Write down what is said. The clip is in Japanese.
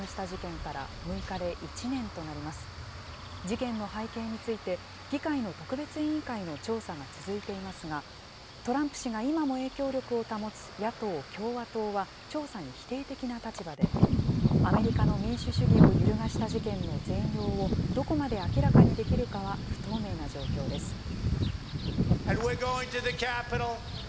事件の背景について、議会の特別委員会の調査が続いていますが、トランプ氏が今も影響力を保つ野党・共和党は調査に否定的な立場で、アメリカの民主主義を揺るがした事件の全容をどこまで明らかにできるかは、不透明な状況です。